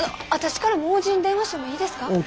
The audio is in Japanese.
あの私からも大叔父に電話してもいいですか？